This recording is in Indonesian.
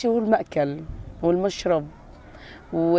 pertama makan minum dan mencari harga